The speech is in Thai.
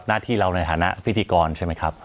หน้าที่เราในฐานะพิธีกรใช่ไหมครับ